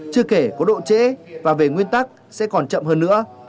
chưa kể có độ trễ và về nguyên tắc sẽ còn chậm hơn nữa